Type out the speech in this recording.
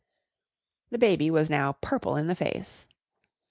] The baby was now purple in the face.